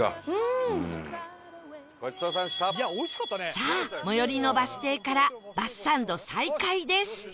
さあ最寄りのバス停からバスサンド再開です